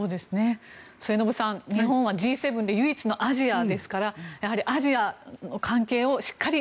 末延さん、日本はＧ７で唯一のアジアですからやはりアジアの関係をしっかり。